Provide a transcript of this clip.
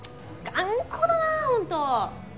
頑固だな本当！